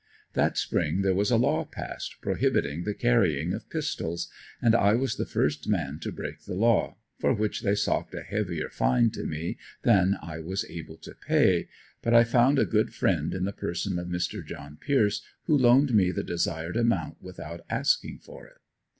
That spring there was a law passed prohibiting the carrying of pistols and I was the first man to break the law, for which they socked a heavier fine to me than I was able to pay; but I found a good friend in the person of Mr. John Pierce who loaned me the desired amount without asking for it.